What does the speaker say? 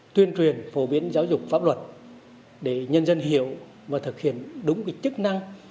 tuyên truyền phổ biến giáo dục pháp luật để nhân dân hiểu và thực hiện đúng chức năng